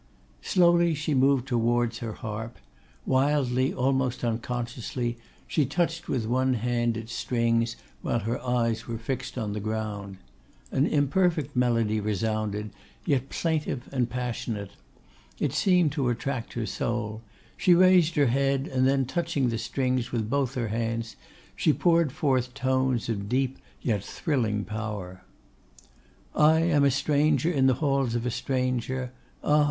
Slowly she moved towards her harp; wildly, almost unconsciously, she touched with one hand its strings, while her eyes were fixed on the ground. An imperfect melody resounded; yet plaintive and passionate. It seemed to attract her soul. She raised her head, and then, touching the strings with both her hands, she poured forth tones of deep, yet thrilling power. 'I am a stranger in the halls of a stranger! Ah!